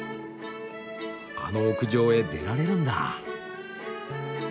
あの屋上へ出られるんだ。